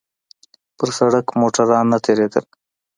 پر سړک موټران نه تېرېدل.